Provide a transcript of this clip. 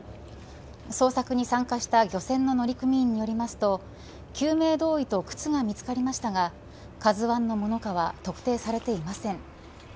捜索に参加した漁船の乗組員によりますと救命胴衣と靴が見つかりましたがＫＡＺＵ１のものかは特定されていません。